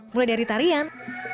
mulai dari tarian